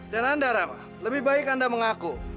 dan anda rama lebih baik anda mengaku